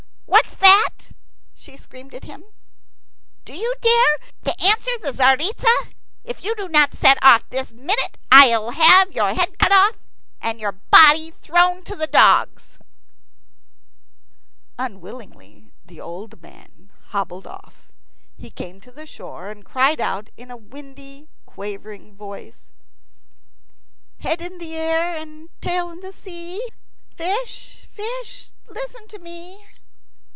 "What's that?" she screamed at him. "Do you dare to answer the Tzaritza? If you do not set off this minute, I'll have your head cut off and your body thrown to the dogs." Unwillingly the old man hobbled off. He came to the shore, and cried out with a windy, quavering old voice, "Head in air and tail in sea, Fish, fish, listen to me."